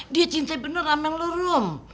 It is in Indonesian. dia cinta bener sama lu rum